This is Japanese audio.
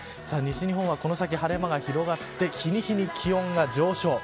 西日本はこの先晴れ間が広がって日に日に気温が上昇。